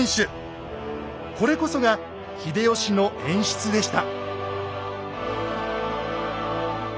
これこそが秀吉の演出でした。